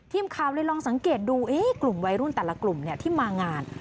ทีมข่าวเลยลองสังเกตดูกลุ่มวัยรุ่นแต่ละกลุ่มที่มางาน